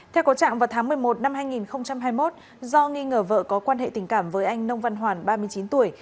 theo có trạng vào tháng một mươi một năm hai nghìn hai mươi một do nghi ngờ vợ có quan hệ tình cảm với anh nông văn hoàn ba mươi chín tuổi